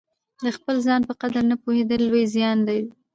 د خپل ځان په قدر نه پوهېدل لوی زیان دی.